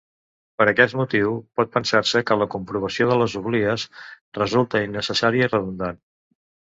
Per aquest motiu, pot pensar-se que la comprovació de les oblies resulta innecessària i redundant.